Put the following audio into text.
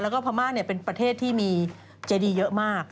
แล้วก็พม่าเป็นประเทศที่มีเจดีเยอะมาก